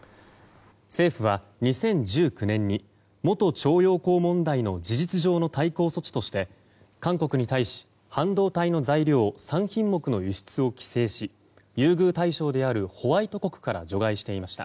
政府は２０１９年に元徴用工問題の事実上の対抗措置として韓国に対し半導体の材料３品目の輸出を規制し優遇対象であるホワイト国から除外していました。